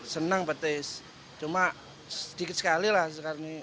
senang petis cuma sedikit sekali lah sekarang ini